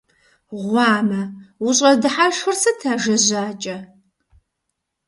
Гъуамэ! УщӀэдыхьэшхыр сыт, ажэ жьакӀэ?!